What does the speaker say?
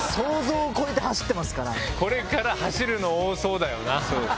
これから走るの多そうだよな。